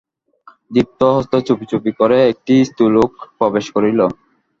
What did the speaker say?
দীপ হস্তে চুপি চুপি ঘরে একটি স্ত্রীলোক প্রবেশ করিল।